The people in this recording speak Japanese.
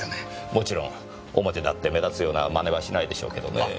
もちろん表立って目立つような真似はしないでしょうけどねぇ。